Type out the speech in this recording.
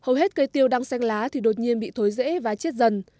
hầu hết cây tiêu đang xanh lá thì đột nhiên bị thối rễ và chết dần